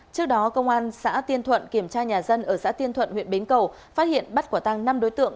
trước đó công an xã tiên thuận kiểm tra nhà dân ở xã tiên thuận huyện bến cầu phát hiện bắt quả tăng năm đối tượng